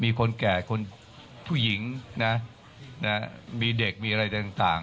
มีคนแก่คนผู้หญิงนะมีเด็กมีอะไรต่าง